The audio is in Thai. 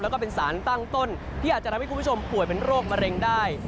แล้วก็เป็นสารตั้งต้นที่อาจจะทำให้คุณผู้ชมป่วยเป็นโรคมะเร็งได้